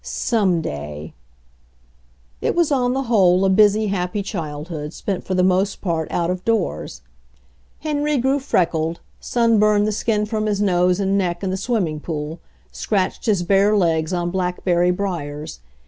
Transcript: Some day— —! It was on the whole a busy, happy childhood, spent for the most part out of doors. Henry grew freckled, sunburned the skin from his nose MENDING A WATCH 13 and neck in the swimming pool, scratched his bare legs on blackberry briars.